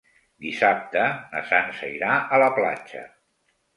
Dissabte na Sança irà a la platja.